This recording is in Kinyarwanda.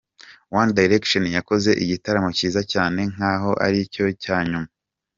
One Direction yakoze igitaramo kiza cyane nk'aho aricyo cya nyuma.